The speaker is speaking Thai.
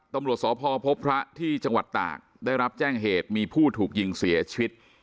ตำรวจสพพบพระที่จังหวัดตากได้รับแจ้งเหตุมีผู้ถูกยิงเสียชีวิต